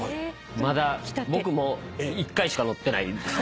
まだ僕も１回しか乗ってないです。